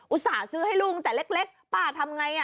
อุตส่าห์ซื้อให้ลูกแต่เล็กป้าทำไง